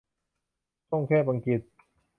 ช่องแคบอังกฤษ